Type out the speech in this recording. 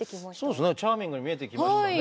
そうですねチャーミングに見えてきましたね。